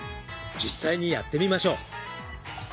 実際にやってみましょう。